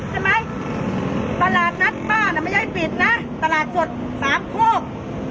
ใช่ไหมตลาดนัดป้าน่ะไม่ได้ปิดนะตลาดสดสามโคก